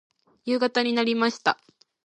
夕方になりました。